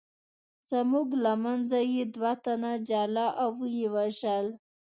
زموږ له منځه یې دوه تنه جلا او ویې وژل.